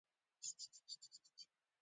دوی له دې ډلې یو تن د لکزور کمپنۍ مالک و.